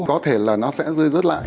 có thể là nó sẽ rơi rớt lại